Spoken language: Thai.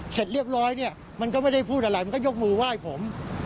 เสร็จเรียบร้อยเนี่ยมันก็ไม่ได้พูดอะไรมันก็ยกมือไหว้ผม